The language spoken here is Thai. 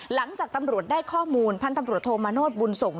หลังจากตำรวจได้ข้อมูลพันธุ์ตำรวจโทมาโนธบุญสงฆ